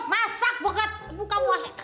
masak masak boket